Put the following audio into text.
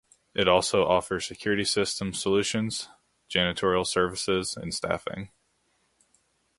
It also offers security systems solutions, janitorial services and staffing.